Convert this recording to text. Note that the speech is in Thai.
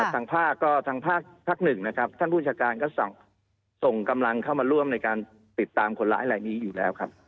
ทางภาคก็ทางภาคหนึ่งนะครับท่านผู้จัดการก็ส่งกำลังเข้ามาร่วมในการติดตามคนร้ายลายนี้อยู่แล้วครับ